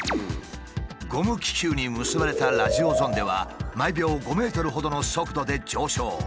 ゴム気球に結ばれたラジオゾンデは毎秒５ｍほどの速度で上昇。